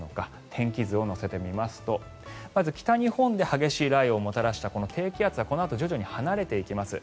天気図を乗せてみますとまず北日本で激しい雷雨をもたらした低気圧はこのあと徐々に離れていきます。